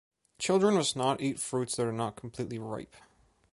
Children must not eat fruits that are not completely ripe.